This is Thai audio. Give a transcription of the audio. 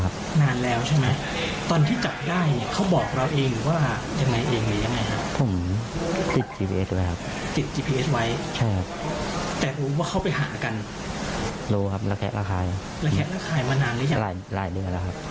เดี๋ยวนะครับ